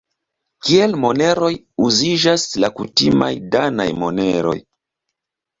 Kiel moneroj uziĝas la kutimaj danaj moneroj.